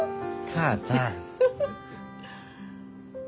母ちゃん。